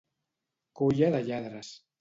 Colla de lladres.